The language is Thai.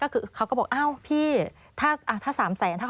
คือเราเตรียมไปไม่พอ